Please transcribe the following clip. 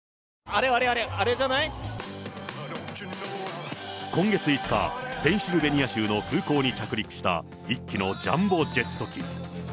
あれあれあれ、今月５日、ペンシルベニア州の空港に着陸した１機のジャンボジェット機。